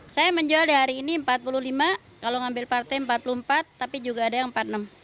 saya menjual di hari ini empat puluh lima kalau ngambil partai empat puluh empat tapi juga ada yang empat puluh enam